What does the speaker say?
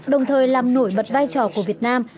đồng thời làm nổi bật vai trò của việt nam